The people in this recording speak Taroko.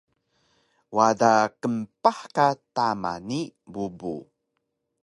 Wada qmpah ka tama ni bubu